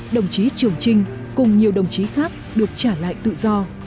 đồng chí trường trinh cùng nhiều đồng chí khác được trả lại tự do